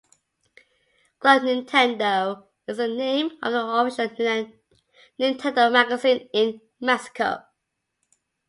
"Club Nintendo" is the name of the official Nintendo magazine in Mexico.